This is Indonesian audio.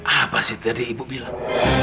apa sih tadi ibu bilang